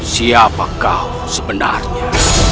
siapa kau sebenarnya